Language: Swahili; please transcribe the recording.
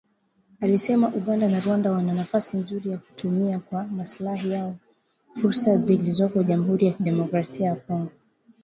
alisema Uganda na Rwanda wana nafasi nzuri ya kutumia kwa maslahi yao fursa zilizoko Jamuhuri ya Demokrasia ya Kongo